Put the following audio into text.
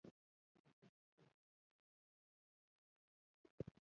دوی غوښتل هند له مرهټیانو وژغوري.